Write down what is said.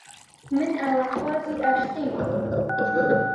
من ئاواتخوازی ئاشتیم